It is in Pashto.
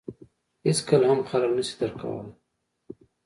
• هېڅکله هم خلک نهشي درک کولای.